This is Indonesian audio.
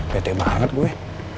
pt banget gue